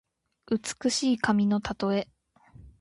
美しい髪のたとえ。